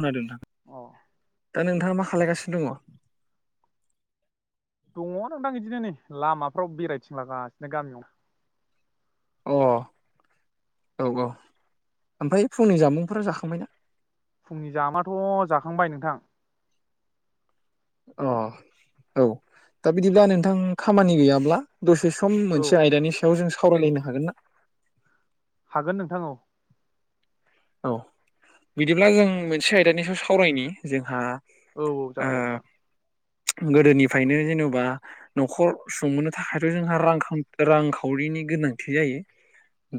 खोनादों नोंथां अ दा नोंथांङा मा खालायगासिनो दंङ? दंङ नोंथां इदिनो नै लामाफ्राव बेरायथिंलागासिनो गामियाव। अ। औ औ ओमफ्राय फुंनि जामुंफोरा जाखांबायना? फुंनि जामाथ' जाखांबाय नोंथां। अ औ दा बिदिब्ला नोंथां खामानि गैयाब्ला दसे सम औ मोनसे आयदानि सायाव जों सावरायलायनो हागोन ना? हागोन नोंथां औ। औ बिदिब्ला जों मोनसे आयदानि सायाव सावरायनि जोंहा औ औ जागोन दे नोंथां। गोदोनिफायनो जेनेबा न'खर संबोनो थाखायथ' जोंहा रां खान रांखावरिनि रांनि गोनांथि जायो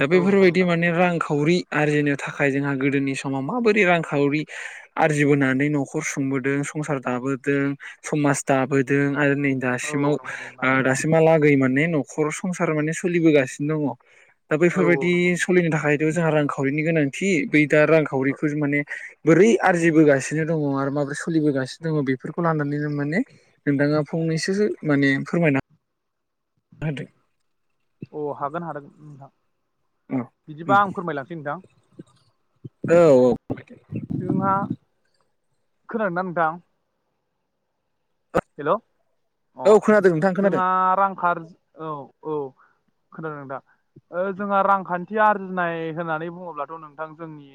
दा औ नंगौ बेफोरबायदि नोंथां माने रांखावरि आरजिनो थाखाय जोंहा गोदोनि समाव माबोरै रांखावरि आरजिबोनानै न'खर सुंबोदों संसार जा बोदों समाज दाबोदों आरो नै औ औ दासिमाव नंगौ नंगौ नोंथां ओ दासिमहा लागै माने न'खर संसार माने सोलिबोगासिनो दङ दा औ औ बैफोरबायदि नंगौ नोंथां सोलिनो थाखाय बेयाव‌ जोंहा रांखावरिनि गोनांथि बै दा रांखावरिखौ माने बोरै आरजिबोगासिनो दंङ आरो माबोरै सोलिबोगासिनो दङ बेफोरखौ लानानैनो माने नोंथाङा फं नैसो माने फोरमायना होदो अ' हागोन हागोन नोंथां बिदिबा आं फोरमायलांसै नोंथां औ औ जोंहा खोनादोंना नोंथां? हेलौ औ अ' खोनादों नोंथां खोनादों जोंहा रां खार औ औ खोनादोंना नोंथा जोंहा रांखान्थि आरजिनाय होननानै बुंङोब्लाथ' नोंथां जोंनि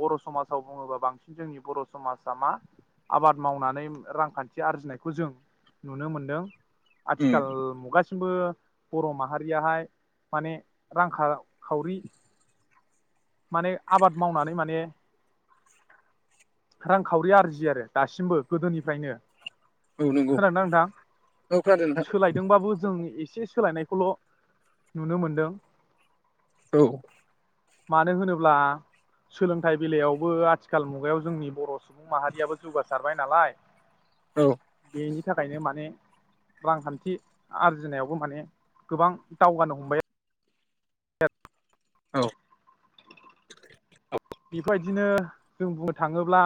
बर' समाजाव बुङोबा बांसिन जोंनि बर' समाजा मा आबाद मावनानै रांखान्थि आरजिनाय खौ जों नुनो मोनदों उम आथिखाल मुगासिम बो बर' माहारियाहाय माने रांखा खावरि माने आबाद मावनानै माने रांखावरि आरजियो आरो दासिमबो गोदोनिफ्रायनो औ नंगौ खोनादोंना नोंथां औ खोनादों नोंथां सोलायदोंबाबो जों इ से सोलायनायखौल' नुनो मोनदों। औ मानो होनोब्ला सोलोंथाइ बेलायावबो आथिखाल मुगायाव जोंनि बर' सुबुं माहारियाबो जौगासारबाय नालाय। औ बेनि थाखायनो माने रांखान्थि आरजिनायावबो माने गोबां दावगानो हमबाय औ बेफोबायदिनो जों बुंनो थाङोब्ला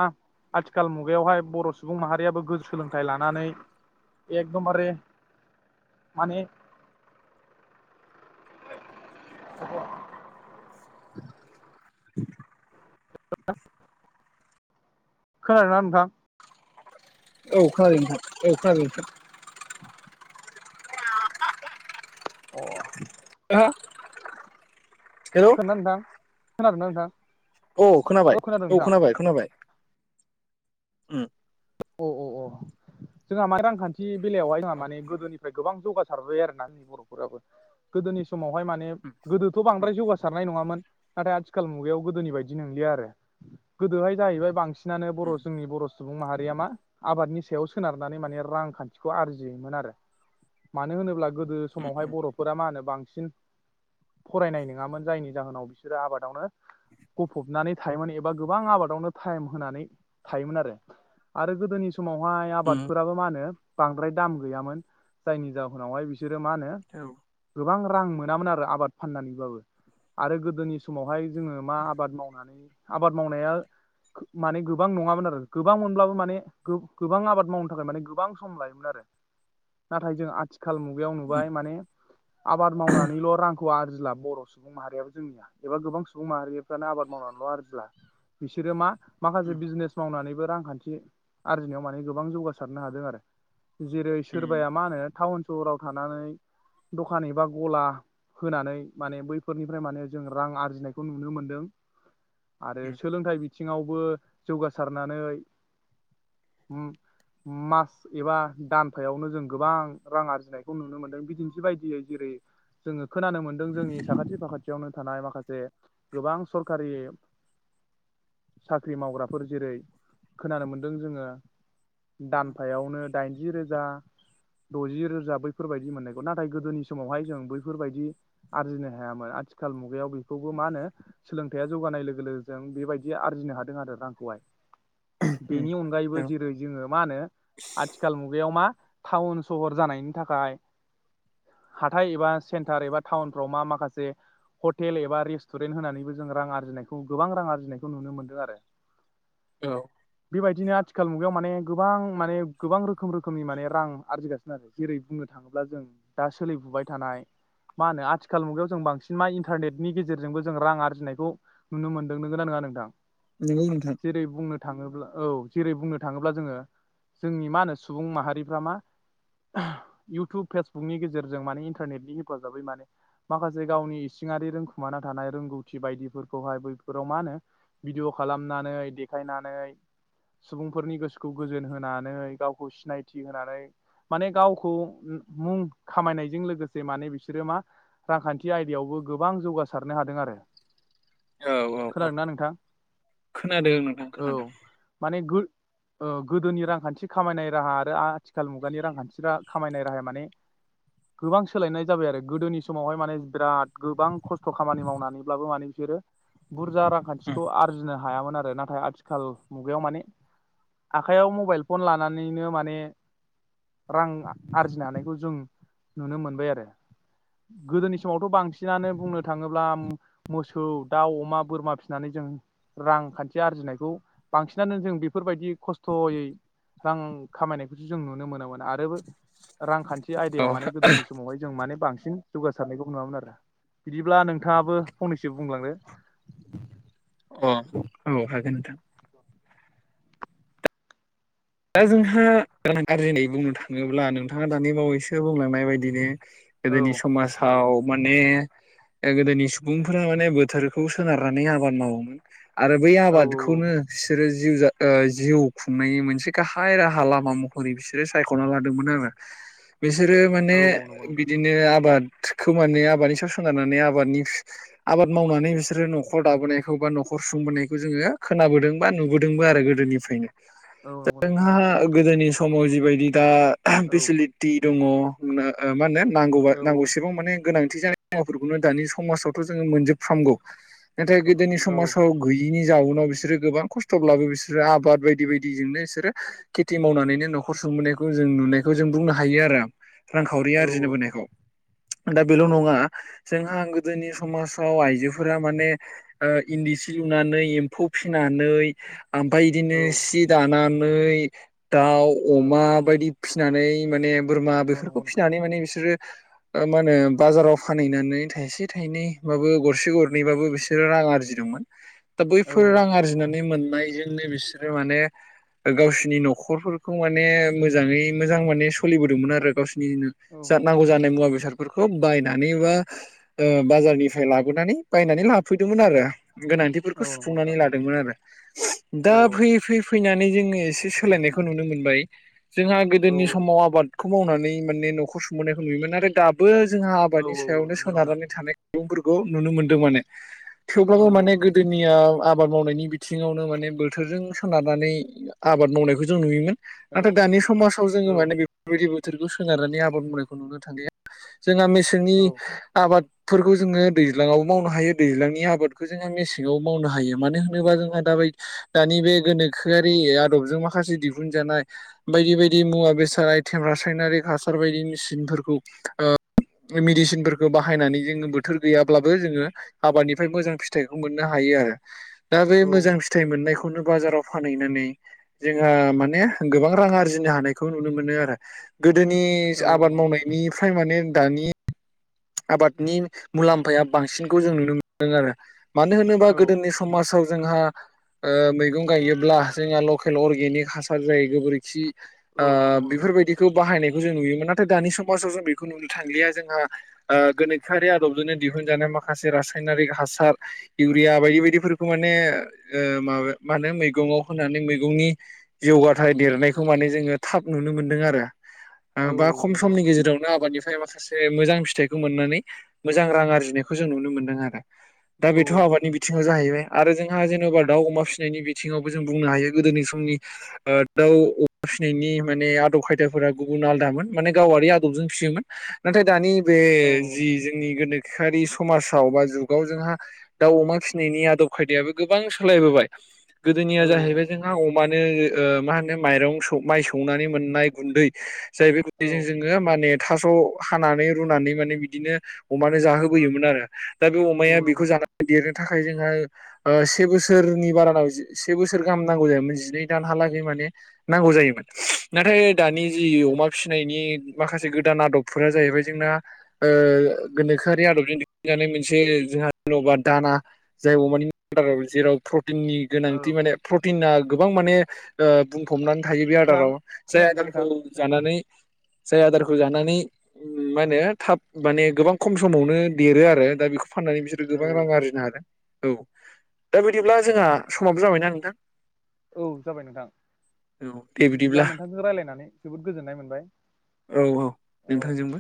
आथिखाल मुगायावहाय बर' सुबुं माहारियाबो गोजौ सोलोंथाइ लानानै एकदमबारे माने [inaudible] [inaudible] खोनादोंना नोंथां औ खोनादों नोंथां औ खोनादों नोंथां अ' दा [inaudible] खोनादोंना नोंथां खोनादोंना नोंथां? औ खोनाबाय खोनादों औ नोंथां खोनाबाय- खोनाबाय ओम अ- अ -अ जोंहा मानि रांखान्थि बेलायावहाय जोंहा औ माने गोदोनिफ्राय गोबां जौगासारबाय आरोना बर'फोराबो गोदोनि समावहाय माने गोदोथ' बांद्राय जौगासारनाय नङामोन नाथाय आथिखाल मुगायाव गोदोनि बायदि नंलिया आरो। गोदोहाय जाहैबाय बांसि नानो बर' औ जोंनि बर' सुबुं माहारि आबादनि सायाव सोनारनानै माने रांखान्थिखौ आरजियोमोन आरो। मानो होनोब्ला गोदो समावहाय बर'फोरा मा होनो बांसिन फरायनाय नङामोन जायनि जाहोनाव बिसोरो आबादावनो गफबनानै थायोमोन एबा गोबां आबादावनो टाइम होनानै थायोमोन आरो। आरो गोदोनि समावहाय आबादफोराबो मा होनो बांद्राय दाम गैयामोन जायनि जाहोनावहाय बि सोरो मा होनो गोबां रां मोनामोन आरो आबाद फाननानैबाबो आरो गोदोनि समावहाय जोङो मा आबाद मावनानै। आबाद मावनाया माने गोबां नङामोन आरो गोबां मोनब्लाबो माने गोबां आबाद मावनो थाखाय माने गोबां सम लायोमोन आरो। नाथाय जों आथि खाल मुगायाव नुबाय माने आबाद मावनानैल' रां खौ आरजिला बर' सुबुं माहारियाबो जोंनिया एबा गोबां सुबुं माहारिफ्रानो आबाद मावनानैल' आरजिला। बिसोरो मा? माखासे बिजनेस मावनानैबो रांखान्थि आरजिनायाव माने गोबां जौगासारनो हादों आरो। जेरै सोरबाया मा होनो टाउन सहराव थानानै दखान एबा गला। होनानै माने बैफोरनिफ्राय माने जों रां आरजिनायखौ नुनो मोनदों। आरो सोलोंथाइ बिथिङावबो जौगासारनानै मास एबा दानफायावनो जों गोबां रां आरजिनायखौ नुनो मोनदों बिदिन्थि बायदियै जेरै- जोङो खोनानो मोन्दों जोंनि साखाथि फाखाथियावनो थानाय माखासे गोबां सरखारि साख्रि मावग्राफोर जेरै- खोनानो मोनदों जोङो दानफायावनो दाइनजि रोजा‌। द'जि रोजा बैफोरबायदि मोननायखौ। नाथाय गोदोनि समावहाय जों बैफोरबायाददि आरजिनो हायामोन आथि थिखाल मुगायाव बेखौबो मा होनो सोलोंथाइया जौगानाय लोगो लोगो जों बेबायदि आरजिनो हादों आरो रांखौहाय। बेनि अनगायैबो जेरै जोङो मा होनो आथिखाल मुगायाव मा टाउन-सहर जानायनि थाखाय। हाथाय एबा सेन्टार एबा टाउनफ्राव मा माखासे हटेल एबा रेस्टुरेन्ट होनानैबो जोङो रां आरजिनायखौ गोबां रां आरजिनायखौ नुनो मोनदों आरो। औ बेबायदिनो आथिखाल मुगायाव माने गोबां माने गोबां रोखोम रोखोमनि माने रां आरजिगासिनो आरो जेरै बुंनो थाङो ब्ला जों दा सोलिफुबाय थानाय मा होनो आथिखाल मुगायाव जों बांसिन मा इन्टारनेटनि गेजेरजोंबो जों रां आरजिनायखौ नुनो मोन्दों नोंगोना नङा नोंथां? नंगौ नोंथां। जेरै बुंनो औ जेरै बुंनो थाङोब्ला जोङो, जोंनि मा होनो सुबुं माहारिफ्रा मा इउटुब फेसबुकनि गेजेरजों माने इन्टारनेटनि हेफाजाबै माने माखासे गावनि इसिङारि रोंखुमाना थानाय रोंगौथि बायदिफोरखौहाय बैफोराव मा होनो भिदिअ खालामनानै, देखायनानै सुबुंफोरनि गोसोखौ गोजोन होनानै, गावखौ सिनायथि होनानै माने गावखौ मुं खामायनायजों लोगोसे माने बिसोरो मा रांखान्थि आयदायावबो गोबां जौगासारनो हादों। आरो। औ औ औ खोनादों ना नोंथां? खोनादों नोंथां औ खोनादों। [inaudible] गोदोनि रांखान्थि खामायनाय राहा आरो आथिखाल मुगानि रांखान्थि खामायनाय राहाया माने गोबां सोलायनाय जाबाय आरो। गोदोनि समावहाय माने बिराद गोबां खस्थ' खामानि मावनानैब्लाबो माने बिसोरो बुरजा रांखान्थिखौ आरजिनो हायामोन आरो नाथाय आथिखाल खाल मुगायाव माने आखाइयाव मबाइल फन लानानैनो माने रां आरजिनो हानायखौ जों नुनो मोनबाय आरो। गोदोनि समावथ' बांसिनानो बुंनो थाङोब्ला मोसौ दाउ अमा बोरमा फिनानै जों रांखान्थि आरजिनायखौ बांसिनानो जों बेफोरबायदि खस्थ'यै रां खामायनायखौसो जों नुनो मोनोमोन आरोबो रांखान्थि न्थि औ आयदायाव माने गोदोनि समावहाय जों माने बांसिन जौगासारनायखौ नुवामोन आरो बिदिब्ला नोंथाङाबो फंनैसो बुंलांदो। अ औ हाग न दां [inaudible] दा जोंहा गदां गाज्रिै बुंनो थाङोब्ला नोंथाङा दानि बावैसो बुंलांनाय बायदिनो [unintelligible] औ गोदोनि समाजाव माने ओ गोदोनि सुबुंफोरा माने बोथोरखौ सोनारनानै आबाद मावोमोन। आरो बै औ आबादखौनो बिसोरो जिउ जा ओ जिउ खुंनायनि मोनसे गाहाय राहा लामा महरै बिसोरो सायख'ना लादोंमोन आरो। बिसोरो माने औ औ नंगौ नोंथां बिदिनो आबाद खौ माने आबादनि सायाव संगारनानै आबादनि आबाद मावनानै बिसोरो न'खर दाबोनायखौ बा न'ख खर सुंबोनायखौ जोङो खोनाबोदों बा नुबोदोंबो आरो गोदोनिफ्रायनो औ नंगौ नंगौ जोंहा नोंथां गोदोनि समाव जिबायदि दा औ पिसिलिटि दङ नो ओ मा होनो नांगौबा औ नांगौसेबां माने गोनां थि जानाय मुवाफोरखौनो दानि समाजावथ' जोङो मोनजोबफ्रामागौ नाथाय गोदोनि औ समाजाव गैयिनि जाउनाव बिसोरो गोबां खस्थ'ब्लाबो बिसोरो आबाद बायदि बायदिजोंनो बिसो रो खेथि मावनानैनो न'खर सुंबोनायखौ जों नुनायखौ जों बुंनो हायो आरो। रांखावरि औ आरजिनो बोनायखौ दा बेल' नङा जोंहा गोदोनि समाजाव आइजोफोरा माने ओ इन्दि सि लुनानै एम्फौ फिना नै ओमफाय बिदिनो सि दानानै दाउ अमा बायदि फिसिनानै माने बोरमा औ बेफोरखौ नंगौ नोंथां फिनानै माने बिसोरो [inaudible] ओ मा होनो बाजाराव फानहैनानै थाइसे थाइनै बाबो गरसे गरनैबाबो बिसोरो रां आरजिदोंं मोन दा औ बैफोर नंगौ रां नोंथां आरजिनानै मोननायजोंनो बिसोरो माने गावसिनि न'खरफोरखौ माने मोजाङै मोजां माने स'लिबोदोंमोन आरो गावसि नि नो औ नंगौ जा नांगौ नोंथां जानाय मुवा बेसार फोरखौ बायनानै एबा ओ बाजारनिफ्राय लाबोनानै बायनानै लाफैदोंमोन आरो औ गोनांथिफोरखौ नंगौ नोंथां सुफुंनानै लादोंमोन आरो औ दा फैयै फैयै फैनानै जोङो एसे सोलायनायखौ नुनो मोनबाय जोंहा औ गोदोनि समाव आबादखौ मावनानै माने न'खर सुंबोनायखौ नुयोमोन नाथाय दाबो जोंहा औ आबादनि औ औ सायावनो नंगौ नोंथां सोनारनानै थानाय सुबुंफोफोरखौ नुनो मोनदों माने औ थेवब्लाबो माने गोदोनिया आबाद मावनायनि बिथिङावनो माने बोथोरजों सोनारनानै आबाद मावनायखौ जों नुयोमोन औ नाथाय दानि समाजाव जोङो माने बेफोरबायदि बो थोरखौ सोनारनानै आबाद मावनायखौ नुनो थांलिया। जोंहा मेसेंनि औ आबाद फोरखौ जोङो दैज्लाङावबो मावनो हायो दैज्लांनि आबादखौ जोङो मेसेङावबो मावनो हायो मानो होनोबा जोंहा दा बे दानि बे गोनोखोआरि आ दबजों माखासे दिहुन जानाय बायदि बायदि मुवा बेसाद आयथेम रासायनारि हासार बायदि मिसिन फोरखौ ओ मेडिसिनफोरखौ बाहायनानै जोङो बोथोर गैयाब्लाबो जोङो आबादनिफ्राय मोजां फिथाइखौ मोननो हायो आरो दा बै औ मोजां फिथाइ मोननायखौनो बाजाराव फानहैनानै जोंहा माने गोबां रां आरजिनो हानायखौ नुनो मोनो आरो। गोदोनि औ आबाद नंगौ नोंथां मावनायनिफ्राय माने दानि आबादनि मुलाम्फाया बांसिनखौ जों नुनो मोनदों आरो। मानो होनोबा औ गोदोनि समाजाव जोंहा ओ मैगं गायोब्ला जोंहा लकेल अर्गेनिक हासार जायो। गोबोरखि औ ओ नंगौ नंगौ नोंथां बेफोरबायदिखौ बाहायनाय जों नुयोमोन नाथाय दानि समाजाव जों बेखौ नुनो थांलिया जोंहा ओ गोनोखोआरि आदबजोंनो दिहुनजानाय माखासे रासायनारिक हासार इउरिया बायदि बायदिफोरखौ माने ने ओ मानो मैगं आव होननानै मैगंनि जौगाथाय देरनायखौ माने जों थाब नुनो मोनदों आरो औ बा खम औ नंगौ समनि नोंथां गेजेरावनो आबादनिफ्राय माखासे मोजां फिथाइ मोननानै मोजां रां आरजिनायखौ जों नुनो मोनदों आरो दा औ बेथ' आबादनि बिथिङाव जाहैबाय आरो जोंहा जेन'बा दाउ अमा फिसिनायनि बिथिङावबो जों बुंनो हायो गोदोनि समनि ओ दाउ फिसिनायनि माने आदब खायदाफोरा गुबुन आलदामोन माने गावारि आदबजों फिसियोमोन नाथाय दानि बे औ नंगौ जि नोंथां जोंनि गोनो खोआरि समाजाव बा जुगाव जोंहा दाउ अमा फिसिनायनि आदब खायदायाबो गोबां सोलायबोबाय गोदोनिया औ जाहैबाय नंगौ नोंथां जोंहा अमानो ओ मा होनो माइरं माइ सौनानै मोननाय गुन्दै जाय बे औ गुन्दैजों जोङो माने थास' हानानै रुनानै माने बिदिनो अमानो जाहोबोयोमोन आरो दा बे औ अमाया नंगौ बेखौ नोंथां जानानै देरनो थाखाय जोंहा से बोसोरनि बाराव नांगौ से बोसोर गाहाम नांगौ जायोन जिनै दानहालागै माने नांगौ जायोन नाथाय दानि जि अमा फिसिनायनि माखासे गोदान आदबफोरा जाहैबाय जोंना ओ गोनोखआरि आदबजों दिहुजानाय मोनसे जों जे'बा दाना [unintelligible] जेराव प्रटिननि औ गोनांथि माने प्रटिना गोबां माने ओ बुं फबनानै थायो बे नोंथां आदाराव जाय खोनादोंना आदारखौ नोंथां जानानै जाय आदारखौ जानानै मा होनो थाब माने गोबां खम समावनो देरो आरो दा बेखौ फाननानै बिसोरो औ गोबां रां आरजिनो हादों औ दा बिदिब्ला जोंहा समाबो जाबायना नोंथां। औ जाबाय नोंथां। औ दे बिदिब्ला नोंथांजों राय्लायनानै जोबोद गोजोननाय मोनबाय औ औ नोंथांजोंबो